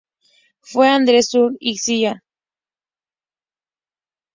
Fue Andrew Usher y Cía.